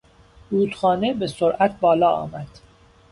رودخانه به سرعت بالا آمد.